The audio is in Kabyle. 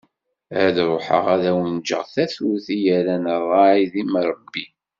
Ad ruḥeγ ad awen-ğğeγ tatut i yerran ṛṛay d imerbi.